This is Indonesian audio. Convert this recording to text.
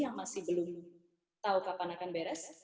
yang masih belum tahu kapan akan beres